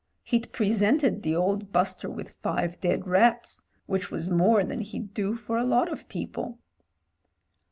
He'd presented the old buster with five dead rats, which was more than he'd do for a lot of people.